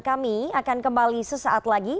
kami akan kembali sesaat lagi